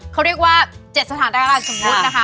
เขาเรียกว่า๗สถานทางกลางชมพุธนะคะ